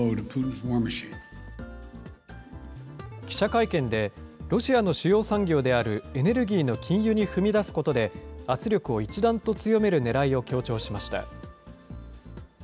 記者会見で、ロシアの主要産業であるエネルギーの禁輸に踏み出すことで、圧力を一段と強めるねらいを強調しました。